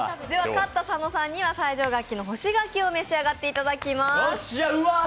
勝った佐野さんには西条柿の干し柿を召し上がっていただきます。